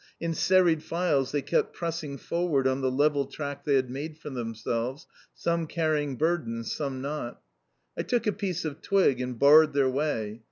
In serried files they kept pressing forward on the level track they had made for themselves some carrying burdens, some not. I took a piece of twig and barred their way.